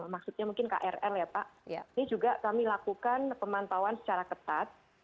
maksudnya mungkin krl ya pak ini juga kami lakukan pemantauan secara ketat